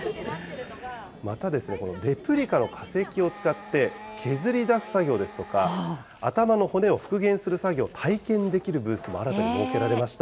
また、レプリカの化石を使って、削り出す作業ですとか、頭の骨を復元する作業を体験できるブースも新たに設けられました。